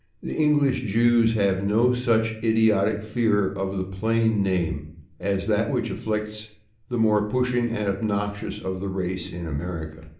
The English Jews have no such idiotic fear of the plain name as that which afflicts the more pushing and obnoxious of the race in America.